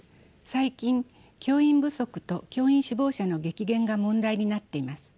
最近教員不足と教員志望者の激減が問題になっています。